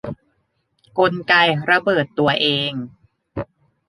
กลไกระเบิดตัวเอง